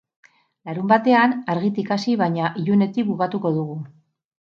Larunbatean argitik hasi baina ilunetik bukatuko dugu.